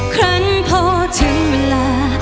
ครั้งพอถึงเวลา